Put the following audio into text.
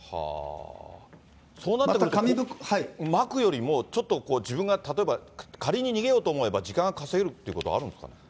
そうなってくると、まくよりも、ちょっと自分が例えば、仮に逃げようと思えば、時間が稼げるということはあるんですか？